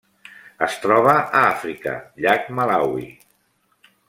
Es troba a Àfrica: llac Malawi.